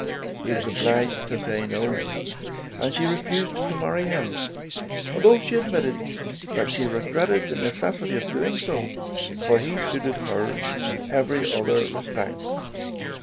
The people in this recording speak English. He was obliged to say no, and she refused to marry him, although she admitted that she regretted the necessity of doing so, for he suited her in every other respect.